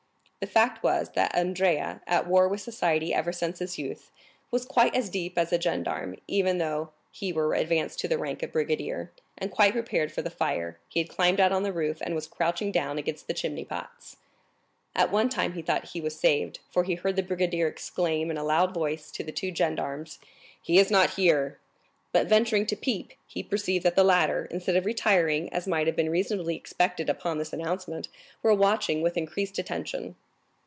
The fact was, that Andrea, at war with society ever since his youth, was quite as deep as a gendarme, even though he were advanced to the rank of brigadier, and quite prepared for the fire, he had climbed out on the roof and was crouching down against the chimney pots. 50049m At one time he thought he was saved, for he heard the brigadier exclaim in a loud voice, to the two gendarmes, "He is not here!" But venturing to peep, he perceived that the latter, instead of retiring, as might have been reasonably expected upon this announcement, were watching with increased attention.